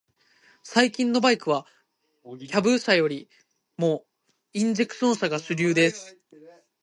最近のバイクは、キャブ車よりもインジェクション車が主流です。